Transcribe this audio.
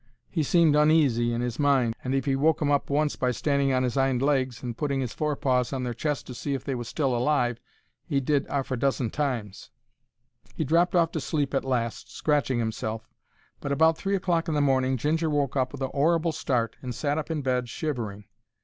He seemed uneasy in 'is mind, and if 'e woke 'em up once by standing on his 'ind legs and putting his fore paws on their chest to see if they was still alive, he did arf a dozen times. He dropped off to sleep at last, scratching 'imself, but about three o'clock in the morning Ginger woke up with a 'orrible start and sat up in bed shivering.